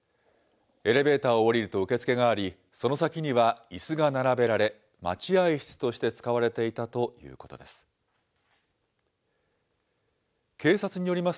エレベーターを降りると受付があり、その先にはいすが並べられ、待合室として使われていたということです。